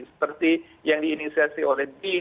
seperti yang diinisiasi oleh bin